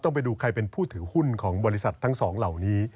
ไปดูใครเป็นผู้ถือหุ้นของบริษัททั้งสองเหล่านี้